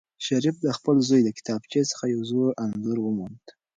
شریف د خپل زوی له کتابچې څخه یو زوړ انځور وموند.